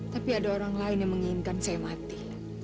tapi ada orang lain yang menginginkan saya mati